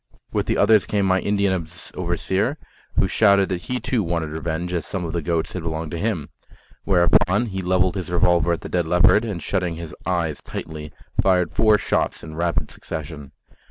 With the others came my Indian overseer, who shouted that he too wanted revenge, as some of the goats had belonged to him. Whereupon he levelled his revolver at the dead leopard, and shutting his eyes tightly, fired four shots in rapid succession.